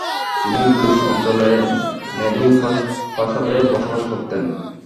তিনি দ্বুস অঞ্চলে নেদোং প্রাসাদে বসবাস করতেন।